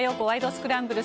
スクランブル」。